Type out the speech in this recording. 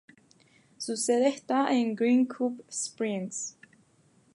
Su sede está en Green Cove Springs.